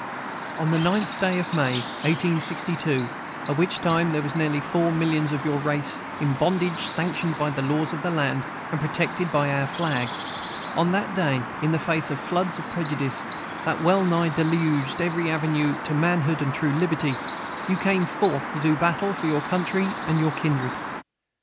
On the ninth day of May, 1862, at which time there were nearly four millions of your race in a bondage sanctioned by the laws of the land, and protected by our flag, on that day, in the face of floods of prejudice, that wellnigh deluged every avenue to manhood and true liberty, you came forth to do battle for your country and your kindred.